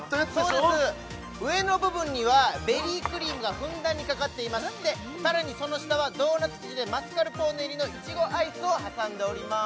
そうです上の部分にはベリークリームがふんだんにかかっていましてさらにその下はドーナツ生地でマスカルポーネ入りのイチゴアイスを挟んでおります